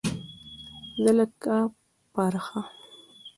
زه لکه پرخه